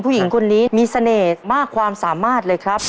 ผู้หญิงคนนี้มีเสน่ห์มากความสามารถเลยครับ